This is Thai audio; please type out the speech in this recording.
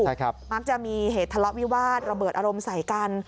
บางทีจะมีเหตุทะเลาะวิวาดระเบิดอารมณ์ใส่กัน